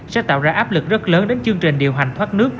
sẽ tạo ra áp lực rất lớn đến chương trình điều hành thoát nước